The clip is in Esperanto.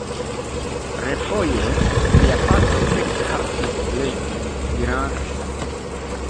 Refoje mia patro ekhaltis legi, dirante: